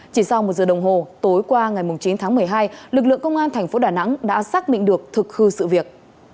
chỉ sau một giờ đồng hồ tối qua ngày chín tháng một mươi hai lực lượng công an thành phố đà nẵng đã xác định được thực hư sự việc